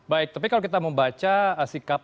baik tapi kalau kita membaca sikap